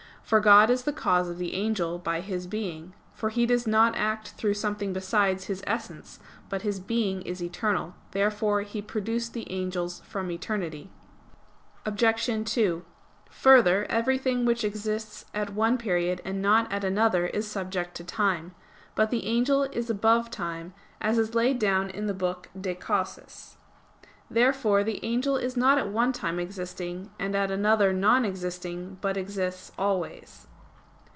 For God is the cause of the angel by His being: for He does not act through something besides His essence. But His being is eternal. Therefore He produced the angels from eternity. Obj. 2: Further, everything which exists at one period and not at another, is subject to time. But the angel is above time, as is laid down in the book De Causis. Therefore the angel is not at one time existing and at another non existing, but exists always.